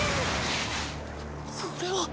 これは！？